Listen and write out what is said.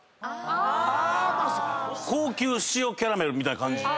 高級塩キャラメルみたいな感じ。